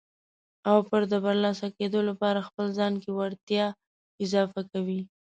او پرې د برلاسه کېدو لپاره خپل ځان کې وړتیاوې اضافه کوي.